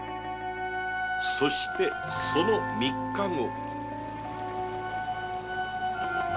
そしてその三日後